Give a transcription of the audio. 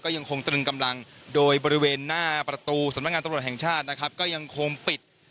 ยังคงตรึงกำลังโดยบริเวณหน้าประตูสำนักงานตำรวจแห่งชาตินะครับก็ยังคงปิด